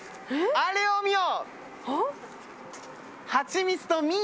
あれを見よ！